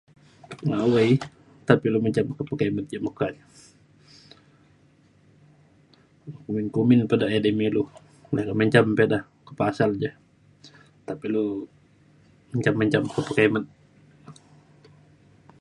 awai nta pa ilu menjam pekimet ja meka kumbin kumbin pa da edei me ilu menjam pa ida pasal da nta pa ilu menjam menjam ke pekimet